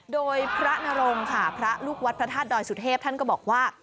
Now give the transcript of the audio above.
โดยพระนรงค่ะพระลูกวัดพระธาตุดอยสุเทพท่านก็บอกว่า